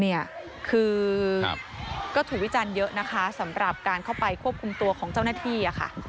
คือก็ถูกวิจารณ์เยอะนะคะสำหรับการเข้าไปควบคุมตัวของเจ้าหน้าที่ค่ะ